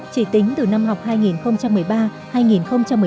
chỉ tính từ năm học hai nghìn một mươi ba